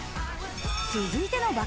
続いての爆